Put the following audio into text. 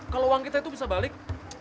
kalau uang kita itu bisa balik